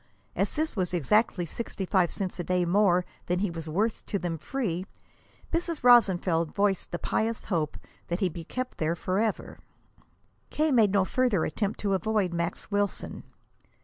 As this was exactly sixty five cents a day more than he was worth to them free, Mrs. Rosenfeld voiced the pious hope that he be kept there forever. K. made no further attempt to avoid Max Wilson.